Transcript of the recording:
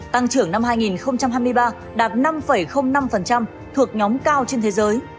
tăng trưởng năm hai nghìn hai mươi ba đạt năm năm thuộc nhóm cao trên thế giới